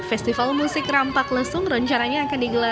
festival musik rampak lesung rencananya akan digelar